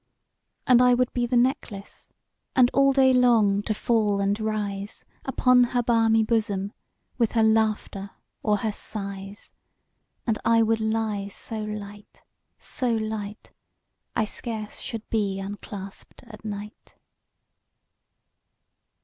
And I would be the necklace, And all day long to fall and rise Upon her balmy bosom, 15 With her laughter or her sighs: And I would lie so light, so light, I scarce should be unclasp'd at night.